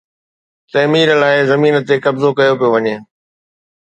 تعمير لاءِ زمين تي قبضو ڪيو پيو وڃي.